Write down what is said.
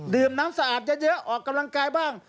น้ำสะอาดเยอะออกกำลังกายบ้าง